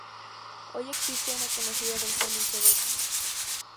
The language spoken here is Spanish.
Hoy existe una conocida versión en Quebec.